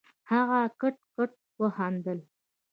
هغه کټ کټ وخندل.